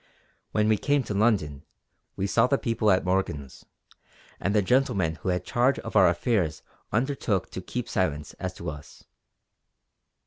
When we came to London we saw the people at Morgan's; and the gentleman who had charge of our affairs undertook to keep silence as to us.